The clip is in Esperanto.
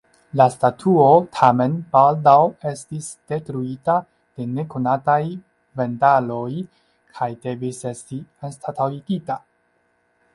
La statuo tamen baldaŭ estis detruita de nekonataj vandaloj kaj devis esti anstataŭigita.